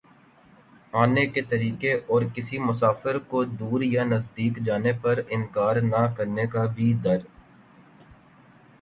آنے کے طریقے اور کسی مسافر کودور یا نزدیک جانے پر انکار نہ کرنے کا بھی در